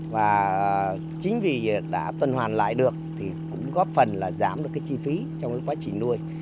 và chính vì đã tuần hoàn lại được thì cũng góp phần là giảm được cái chi phí trong cái quá trình nuôi